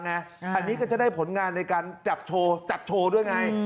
อันนี้ก็จะได้ผลงานในการจับโชว์จับโชว์ด้วยไง